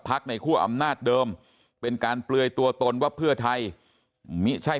ในคั่วอำนาจเดิมเป็นการเปลือยตัวตนว่าเพื่อไทยมิใช่